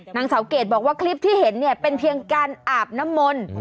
นางสาวเกดบอกว่าคลิปที่เห็นเนี่ยเป็นเพียงการอาบน้ำมนต์